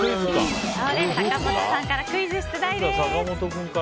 坂本さんからクイズ出題です。